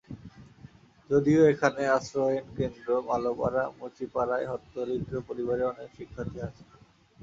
যদিও এখানে আশ্রয়ণ কেন্দ্র, মালোপাড়া, মুচিপাড়ায় হতদরিদ্র পরিবারের অনেক শিক্ষার্থী আছে।